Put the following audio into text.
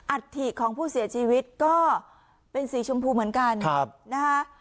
อัฐิของผู้เสียชีวิตก็เป็นสีชมพูเหมือนกันนะคะ